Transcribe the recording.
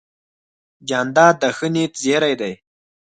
جانداد د ښه نیت زېرى دی.